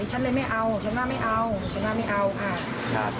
ดิฉันเลยไม่เอาดิฉันว่าไม่เอาดิฉันว่าไม่เอาค่ะ